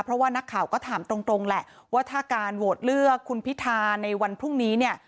เพราะว่านักข่าวก็ถามตรงแหละว่าถ้าการโหวตเลือกคุณพิธาในวันพรุ่งนี้เนี่ย